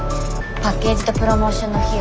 パッケージとプロモーションの費用調整してみた。